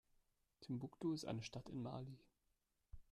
Timbuktu ist eine Stadt in Mali.